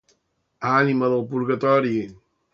Ànima del purgatori.